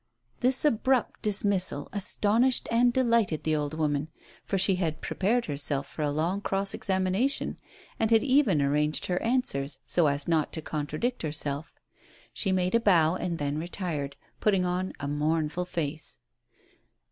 Tliis abrupt dismissal astonished and delighted the old woman, for she had prepared herself for a long cross examination, and had even arranged her answers, so as not to contradict herself. She made a bow, and then retired, putting on a mournful face.